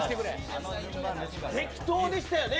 激闘でしたよね。